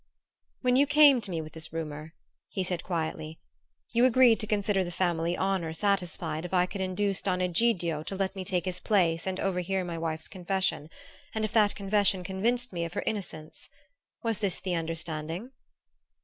"When you came to me with this rumor," he said quietly, "you agreed to consider the family honor satisfied if I could induce Don Egidio to let me take his place and overhear my wife's confession, and if that confession convinced me of her innocence. Was this the understanding?"